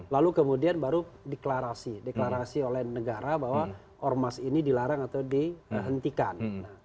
lalu kemudian baru deklarasi oleh negara bahwa ormas ini dilarang atau dihentikan